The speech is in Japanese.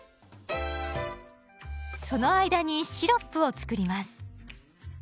その間にシロップを作ります。